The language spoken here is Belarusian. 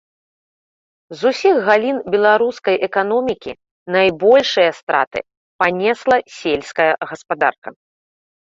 З усіх галін беларускай эканомікі найбольшыя страты панесла сельская гаспадарка.